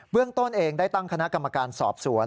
เรื่องต้นเองได้ตั้งคณะกรรมการสอบสวน